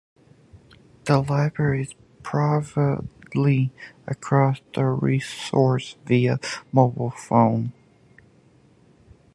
The Library also provides access to the resources via mobile phones.